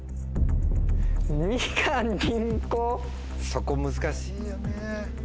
そこ難しいよね。